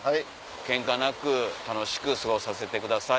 ケンカなく楽しく過ごさせてください。